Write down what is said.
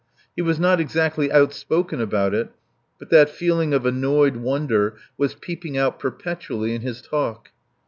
He was not exactly outspoken about it, but that feeling of annoyed wonder was peeping out perpetually in his talk.